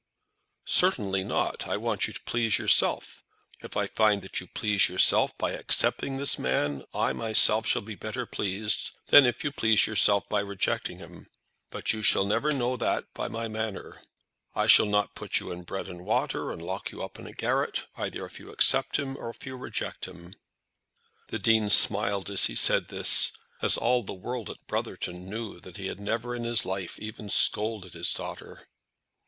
"Certainly not. I want you to please yourself. If I find that you please yourself by accepting this man, I myself shall be better pleased than if you please yourself by rejecting him; but you shall never know that by my manner. I shall not put you on bread and water, and lock you up in the garret either if you accept him, or if you reject him." The Dean smiled as he said this, as all the world at Brotherton knew that he had never in his life even scolded his daughter.